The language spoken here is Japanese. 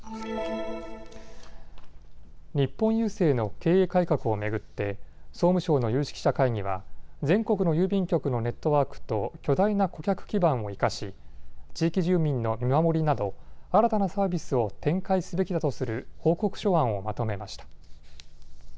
日本郵政の経営改革を巡って総務省の有識者会議は全国の郵便局のネットワークと巨大な顧客基盤を生かし地域住民の見守りなど新たなサービスを展開すべきだとする報告書案をまとめました。